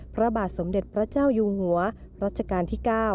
พระบาทสมเด็จพระเจ้าอยู่หัวรัชกาลที่๙